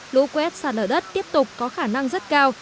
lũ quét sạt lở đất tiếp tục có khả năng rất cao